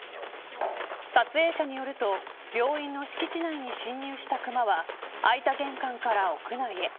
撮影者によると病院の敷地内に侵入したクマは開いた玄関から屋内へ。